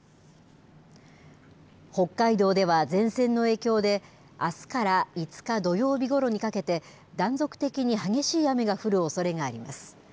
北海道では前線の影響で、あすから５日土曜日ごろにかけて、断続的に激しい雨が降るおそれがあります。